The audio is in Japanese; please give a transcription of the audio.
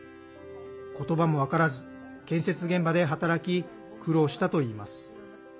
言葉も分からず建設現場で働き苦労したといいます。